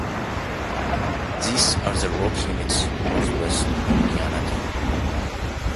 These are the rock units northwest on Diana Temple.